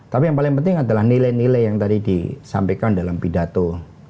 tapi yang paling penting adalah nilai nilai yang tadi disampaikan dalam pidato